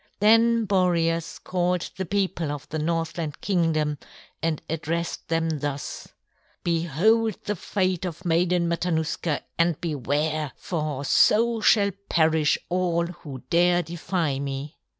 Then Boreas called the people of the Northland Kingdom and addressed them thus: "Behold the fate of Maiden Matanuska and beware! For so shall perish all who dare defy me."